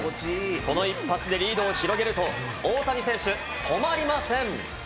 この一発でリードを広げると、大谷選手、止まりません。